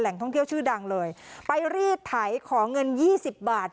ท่องเที่ยวชื่อดังเลยไปรีดไถขอเงินยี่สิบบาท